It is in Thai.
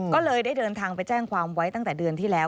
ก็เลยได้เดินทางไปแจ้งความไว้ตั้งแต่เดือนที่แล้ว